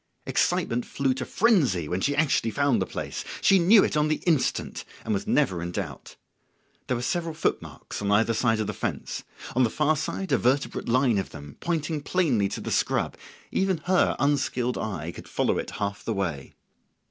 Excitement flew to frenzy when she actually found the place. She knew it on the instant, and was never in doubt. There were several footmarks on either side of the fence; on the far side a vertebrate line of them, pointing plainly to the scrub; even her unskilled eye could follow it half the way.